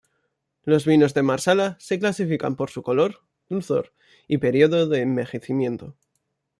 Los vinos de Marsala se clasifican por su color, dulzor y periodo de envejecimiento.